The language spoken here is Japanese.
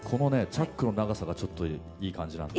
チャックの長さがちょっといい感じなんですよね。